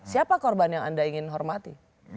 siapa korban yang anda ingin hormati